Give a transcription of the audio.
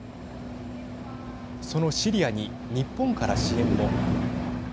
そのシリアに日本から支援も。